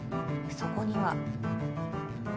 そこには。